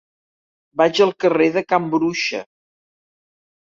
Vaig al carrer de Can Bruixa.